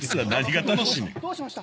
どうしました？